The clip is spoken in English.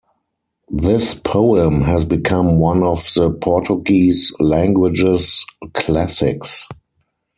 This poem has become one of the Portuguese language's classics.